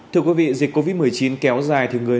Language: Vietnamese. thưa quý vị dịch covid một mươi chín kéo dài